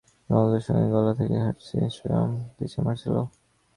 রোনালদোর সঙ্গে গলা ধরে হাঁটছেন, এমন একটি ছবি ইনস্টাগ্রামে দিয়েছেন মার্সেলো।